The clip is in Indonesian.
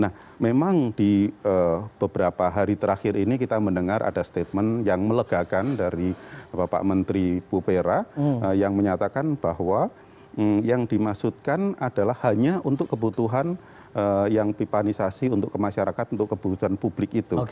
nah memang di beberapa hari terakhir ini kita mendengar ada statement yang melegakan dari bapak menteri pupera yang menyatakan bahwa yang dimaksudkan adalah hanya untuk kebutuhan yang pipanisasi untuk ke masyarakat untuk kebutuhan publik itu